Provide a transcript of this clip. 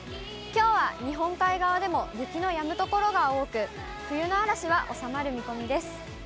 きょうは日本海側でも雪のやむ所が多く、冬の嵐は収まる見込みです。